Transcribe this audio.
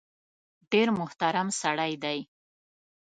ډېر محترم سړی دی .